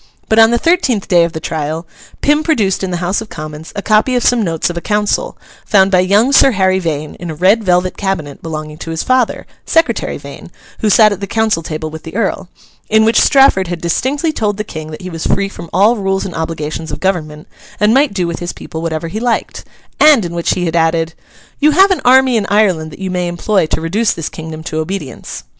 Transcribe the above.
But on the thirteenth day of the trial, Pym produced in the House of Commons a copy of some notes of a council, found by young Sir Harry Vane in a red velvet cabinet belonging to his father (Secretary Vane, who sat at the council table with the Earl), in which Strafford had distinctly told the King that he was free from all rules and obligations of government, and might do with his people whatever he liked; and in which he had added—'You have an army in Ireland that you may employ to reduce this kingdom to obedience.